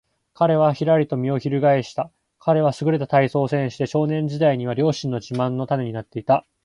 彼はひらりと身をひるがえした。彼はすぐれた体操選手で、少年時代には両親の自慢の種になっていた。